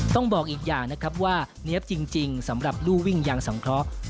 ต้องบอกอีกอย่างนะครับว่าเนี๊ยบจริงสำหรับรูวิ่งยางสังเคราะห์